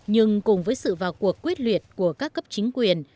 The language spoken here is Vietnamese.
nhưng cùng với sự vào cuộc quyết liệt của các cấp chính quyền